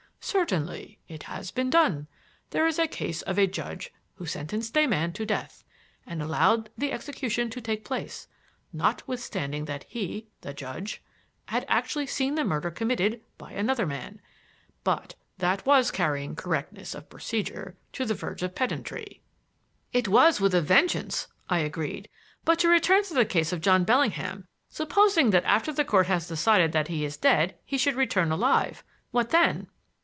"Certainly. It has been done. There is a case of a judge who sentenced a man to death and allowed the execution to take place, notwithstanding that he the judge had actually seen the murder committed by another man. But that was carrying correctness of procedure to the verge of pedantry." "It was, with a vengeance," I agreed. "But to return to the case of John Bellingham. Supposing that after the Court has decided that he is dead he should return alive? What then?"